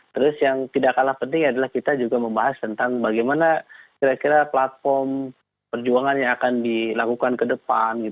terus yang tidak kalah penting adalah kita juga membahas tentang bagaimana kira kira platform perjuangan yang akan dilakukan ke depan